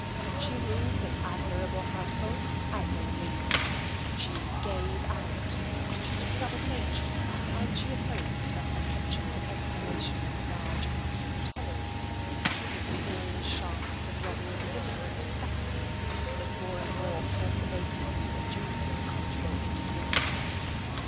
She ruled an admirable household admirably, she "gave out," she discovered Nature, and she opposed a perpetual exhalation of large hearted tolerance to the small shafts of rather indifferent satire that more and more formed the basis of Sir Julian's conjugal intercourse.